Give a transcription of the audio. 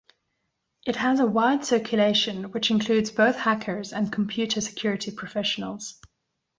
It has a wide circulation which includes both hackers and computer security professionals.